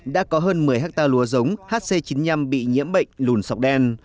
đã có hơn một mươi hectare lúa giống hc chín mươi năm bị nhiễm bệnh lùn sọc đen